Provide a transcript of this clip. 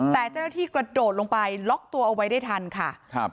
แต่เจ้าหน้าที่กระโดดลงไปล็อกตัวเอาไว้ได้ทันค่ะครับ